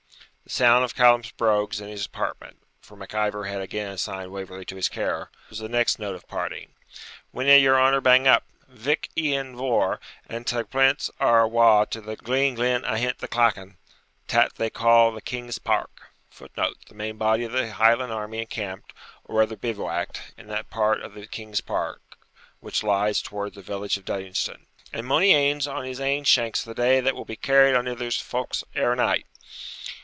The sound of Callum's brogues in his apartment (for Mac Ivor had again assigned Waverley to his care) was the next note of parting. 'Winna yer honour bang up? Vich lan Vohr and ta Prince are awa to the lang green glen ahint the clachan, tat they ca' the King's Park, [Footnote: The main body of the Highland army encamped, or rather bivouacked, in that part of the King's Park which lies towards the village of Duddingston.] and mony ane's on his ain shanks the day that will be carried on ither folk's ere night.'